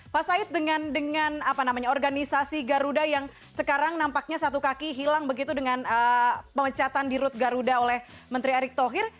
pak said dengan organisasi garuda yang sekarang nampaknya satu kaki hilang begitu dengan pemecatan di rut garuda oleh menteri erick thohir